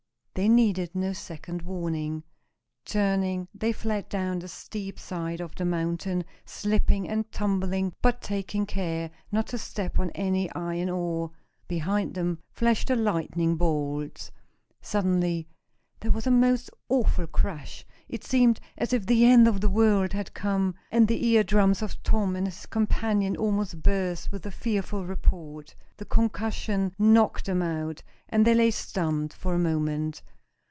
They needed no second warning. Turning, they fled down the steep side of the mountain, slipping and stumbling, but taking care not to step on any iron ore. Behind them flashed the lightning bolts. Suddenly there was a most awful crash. It seemed as if the end of the world had come, and the ear drums of Tom and his companion almost burst with the fearful report. The concussion knocked them down, and they lay stunned for a moment.